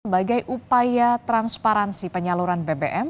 sebagai upaya transparansi penyaluran bbm